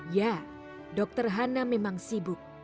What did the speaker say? ya dokter hana memang sibuk